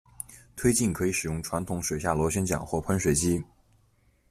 推进可以使用传统水下螺旋桨或喷水机。